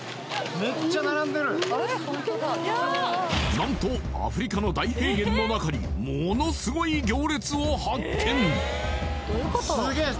何とアフリカの大平原の中にものすごい行列を発見！